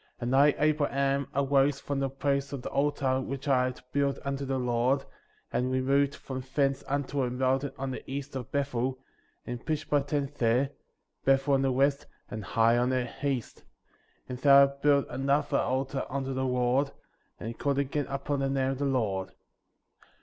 ^ 20. And I, Abraham, arose from the place of the altar which I had built unto the Lord, and re moved from thence unto a mountain on the east of Bethel, and pitched my tent there, Bethel on the west, and Hai on the east ; and there I built another altar unto the Lord, and called again upon the name of the Lord.